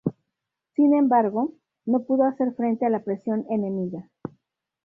Sin embargo, no pudo hacer frente a la presión enemiga.